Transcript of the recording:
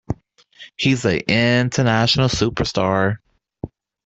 He is an international superstar.